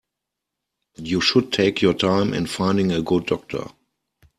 You should take your time in finding a good doctor.